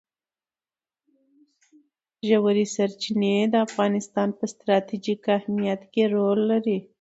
ژورې سرچینې د افغانستان په ستراتیژیک اهمیت کې رول لري.